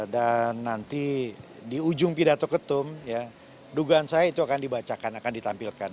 dan nanti di ujung pidato ketum dugaan saya itu akan dibacakan akan ditampilkan